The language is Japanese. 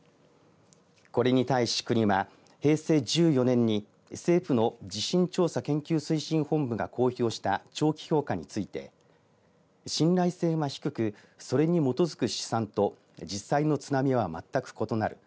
これに対し国は、平成１４年に政府の地震調査研究推進本部が公表した長期評価について信頼性は低くそれに基づく試算と実際の津波は全く異なる。